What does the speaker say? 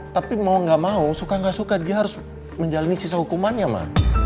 tapi mau gak mau suka gak suka dia harus menjalani sisa hukumannya ma